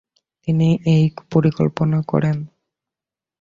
তিনি এই পরিকল্পনা করেন।